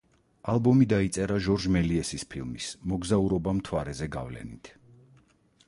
ალბომი დაიწერა ჟორჟ მელიესის ფილმის „მოგზაურობა მთვარეზე“ გავლენით.